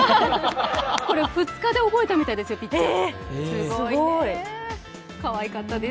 これ、２日で覚えたみたいですよ、ぴっちゃん。